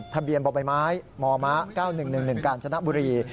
ทะเบียนบ่อยไม้หมอม้า๙๑๑การชนะบุรี